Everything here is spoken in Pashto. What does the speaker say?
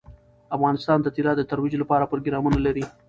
افغانستان د طلا د ترویج لپاره پروګرامونه لري.